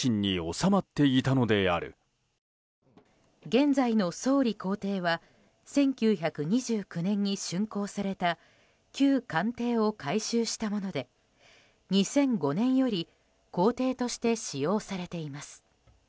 現在の総理公邸は１９２９年に竣工された旧官邸を改修したもので２００５年より公邸として使用されています。